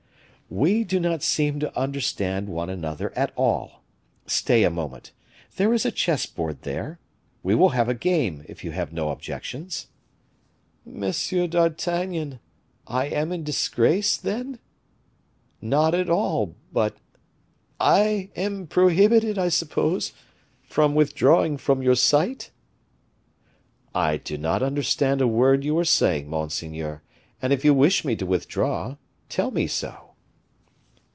"We do not seem to understand one another at all. Stay a moment; there is a chess board there; we will have a game, if you have no objections." "Monsieur d'Artagnan, I am in disgrace, then?" "Not at all; but " "I am prohibited, I suppose, from withdrawing from your sight." "I do not understand a word you are saying, monseigneur; and if you wish me to withdraw, tell me so."